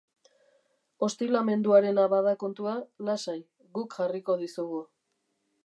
Ostilamenduarena bada kontua, lasai, guk jarriko dizugu.